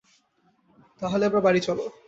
তাহলে এবার বাড়ি চলো!